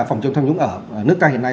phòng chống thông dũng ở nước ta hiện nay